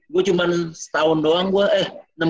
gue cuma setahun doang gue eh enam bulan